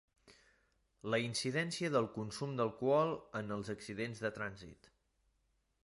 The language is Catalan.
La incidència del consum d'alcohol en els accidents de trànsit.